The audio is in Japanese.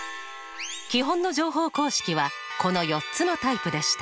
基本の乗法公式はこの４つのタイプでした。